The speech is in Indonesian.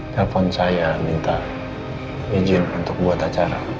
telepon saya minta izin untuk buat acara